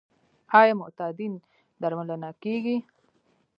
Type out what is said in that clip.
آیا معتادین درملنه کیږي؟